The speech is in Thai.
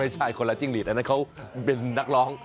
คนละจิ้งหลีดอันนั้นเขาเป็นนักร้อง